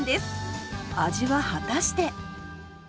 味は果たして？